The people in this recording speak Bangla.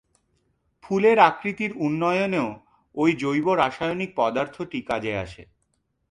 ফুলের আকৃতির উন্নয়নেও ওই জৈব রাসায়নিক পদার্থটি কাজে আসে।